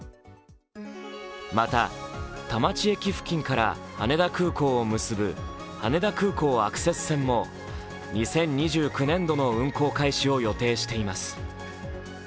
また、田町駅付近から羽田空港を結ぶ羽田空港アクセス線も２０２９年度の運航開始を予定しています。